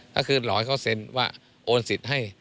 ก็คือหลอกให้เขาเซ็นว่าโอนสิทธิ์ให้